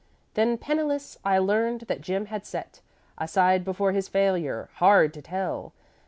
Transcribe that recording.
"'Then, penniless, I learned that Jim had set Aside before his failure hard to tell!